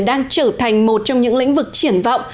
đang trở thành một trong những lĩnh vực triển vọng